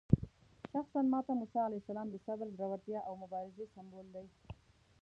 شخصاً ماته موسی علیه السلام د صبر، زړورتیا او مبارزې سمبول دی.